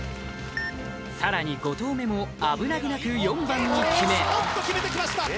さらに５投目も危なげなく４番にきめスパッときめてきました